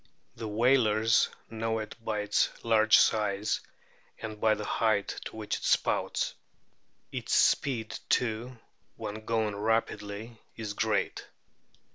The whalers know it by its large size and by the height to which it spouts. Its speed too, when going rapidly, is great.